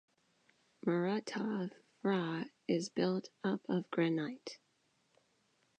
Muratov Vrah is built up of granite.